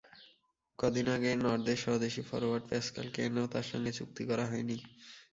কদিন আগে নর্দের স্বদেশি ফরোয়ার্ড প্যাসকালকে এনেও তাঁর সঙ্গে চুক্তি করা হয়নি।